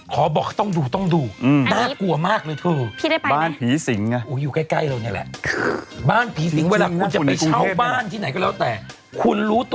ขอบอกต้องดูกลางมากเลยคือเป็นสั่งบ้านผีสิงฮะ